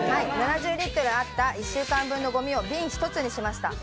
７０リットルあった一週間分のごみをビン１つにしました。